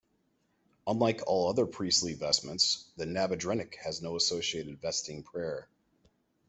Unlike all other priestly vestments, the nabedrennik has no associated vesting prayer.